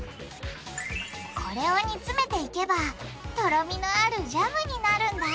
これを煮詰めていけばとろみのあるジャムになるんだ！